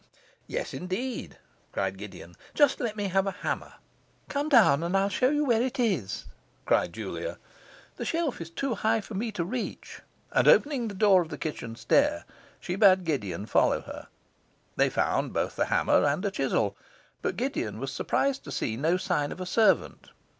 'Yes, indeed,' cried Gideon. 'Just let me have a hammer.' 'Come down, and I'll show you where it is,' cried Julia. 'The shelf is too high for me to reach'; and, opening the door of the kitchen stair, she bade Gideon follow her. They found both the hammer and a chisel; but Gideon was surprised to see no sign of a servant.